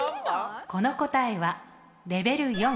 この答えはレベル４。